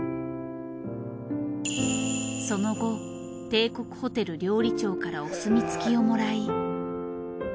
その後帝国ホテル料理長からお墨付きをもらい。